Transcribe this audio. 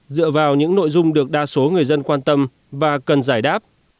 dựa vào những nội dung được đa số người dân quan tâm và cần giải đáp